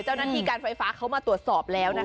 เจ้าหน้าที่การไฟฟ้าเขามาตรวจสอบแล้วนะคะ